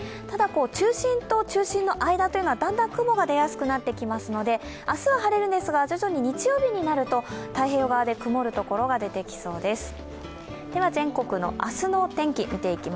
ただ、中心と中心の間はだんだん雲が出やすくなってきますので、明日は晴れるんですが、徐々に日曜日になると太平洋側で曇るところが出てきそうです。